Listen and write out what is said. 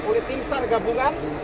oleh tim sar gabungan